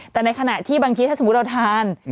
แต่ในขณะที่บางทีถ้าสมมุติเราทาน